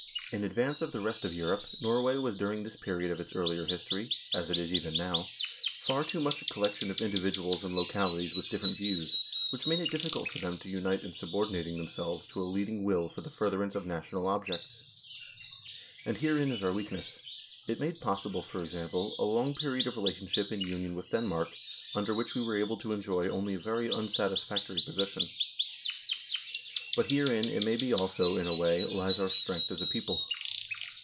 In advance of the rest of Europe, Norway was during this period of its earlier history, as it is even now, far too much a collection of individuals and localities with different views, which made it diffi cult for them to unite in subordinating themselves to a leading will for the furtherance of national objects. And herein is our weakness ; it made possible, for example, a long period of relationship in union with Denmark, under which we were able to enjoy only a very unsatisfactory position. But herein, it may be also, in a way, lies our strength as a people.